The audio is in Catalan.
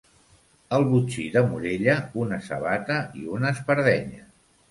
El botxí de Morella, una sabata i una espardenya.